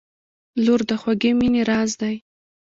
• لور د خوږې مینې راز دی.